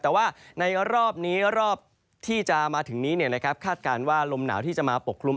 แต่ว่าในรอบนี้รอบที่จะมาถึงนี้คาดการณ์ว่าลมหนาวที่จะมาปกคลุม